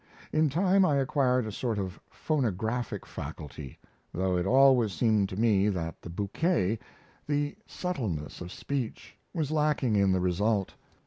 In time I acquired a sort of phonographic faculty; though it always seemed to me that the bouquet, the subtleness of speech, was lacking in the result.